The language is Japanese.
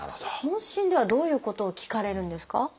問診ではどういうことを聞かれるんですか？